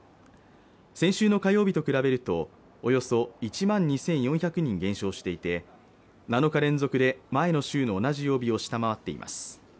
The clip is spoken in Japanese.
先週の火曜日と比べるとおよそ１万２４００人減少していて７日連続で前の週の同じ曜日を下回っています。